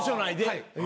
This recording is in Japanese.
はい。